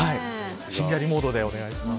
ひんやりモードでお願いします。